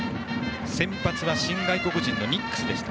先発は新外国人のニックスでした。